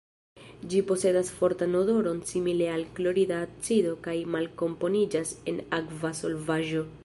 Ĝi posedas fortan odoron simile al klorida acido kaj malkomponiĝas en akva solvaĵo.